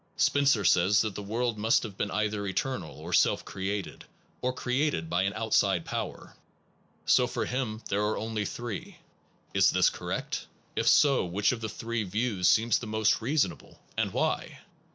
Spencer says that the world must have been either eternal, or self created, or created by an outside power. So for him there are only three. Is this correct? If so, which of the three views seems the most reasonable? and why?